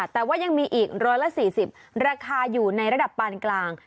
แต่ว่ายังมีอีก๑๔๐ราคาอยู่ในระดับปานกลาง